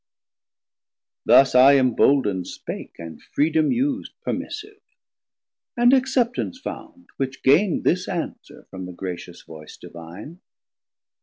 Thus I embold'nd spake, and freedom us'd Permissive, and acceptance found, which gain'd This answer from the gratious voice Divine.